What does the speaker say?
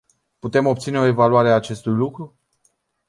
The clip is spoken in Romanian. Putem obține o evaluare a acestui lucru?